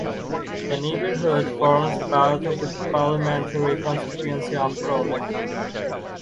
The neighbourhood forms part of the parliamentary constituency of Crawley.